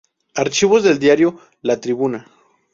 Archivos del Diario La Tribuna.